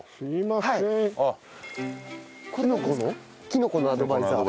キノコのアドバイザー。